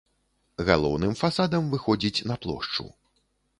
Галоўным фасадам выходзіць на плошчу.